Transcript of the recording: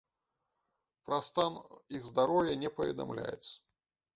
Пра стан іх здароўя не паведамляецца.